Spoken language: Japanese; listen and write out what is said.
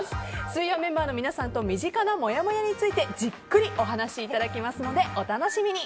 水曜メンバーの皆さんと身近なもやもやについてじっくりお話しいただきますのでお楽しみに。